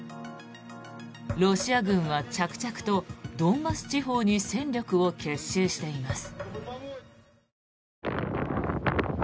ロシア軍は着々とドンバス地方に戦力を結集しています。